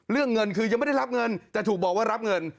เรื่องเงินคือยังไม่ได้รับเงินแต่ถูกบอกว่ารับเงิน